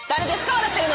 笑ってるの。